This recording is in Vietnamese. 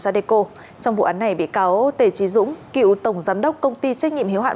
trong vụ án này bị cáo tế trí dũng cựu tổng giám đốc công ty trách nhiệm hiếu hạn